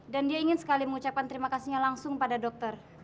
dan dia ingin sekali mengucapkan terima kasihnya langsung pada dokter